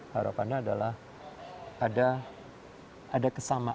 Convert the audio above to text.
harapannya adalah ada kesama